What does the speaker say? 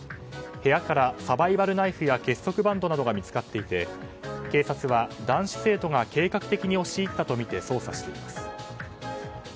部屋からサバイバルナイフや結束バンドなどが見つかっていて警察は男子生徒が計画的に押し入ったとみて捜査しています。